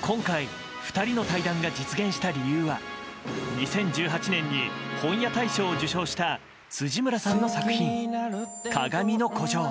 今回、２人の対談が実現した理由は２０１８年に本屋大賞を受賞した辻村さんの作品「かがみの孤城」。